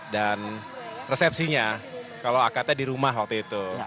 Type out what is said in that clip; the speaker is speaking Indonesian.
dan resepsinya kalau akadnya di rumah waktu itu